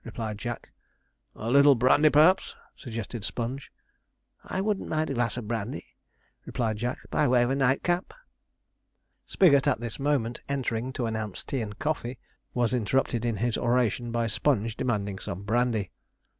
replied Jack. 'A little brandy, perhaps?' suggested Sponge. 'I shouldn't mind a glass of brandy,' replied Jack, 'by way of a nightcap.' Spigot, at this moment entering to announce tea and coffee, was interrupted in his oration by Sponge demanding some brandy.